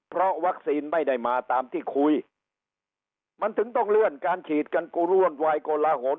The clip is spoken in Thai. เพราะวัคซีนไม่ได้มาตามที่คุยมันถึงต้องเลื่อนการฉีดกันกูรวนวายกลหน